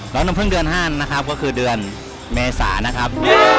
แล้วน้ำเพิ่งเดือน๕ก็คือเดือนเมษานะครับ